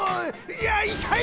いやいたい！